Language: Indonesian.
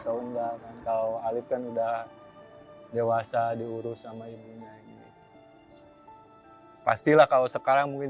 atau enggak kan kalau alif kan udah dewasa diurus sama ibunya ini pastilah kalau sekarang mungkin